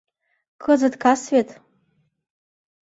— Кызыт кас вет.